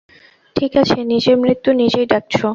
ঠিকাছে নিজের মৃত্যু নিজেই ডাকছো!